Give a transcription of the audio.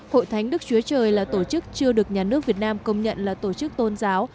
hội thánh đức chúa trời là tổ chức chưa được nhà nước việt nam công nhận là tổ chức tôn giáo